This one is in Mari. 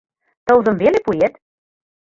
— Тылзым веле пуэт?